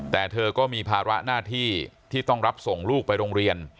แต่เธอก็มีภาระหน้าที่ที่ต้องรับส่งลูกไปโรงเรียน